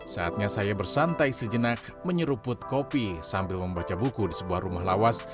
saatnya saya bersantai sejenak menyeruput kopi sambil membaca buku di sebuah rumah lawas